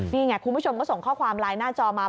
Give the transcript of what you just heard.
นี่ไงคุณผู้ชมก็ส่งข้อความไลน์หน้าจอมา